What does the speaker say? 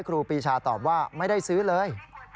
ครูปีชาตอบว่าไม่ได้ซื้อเลย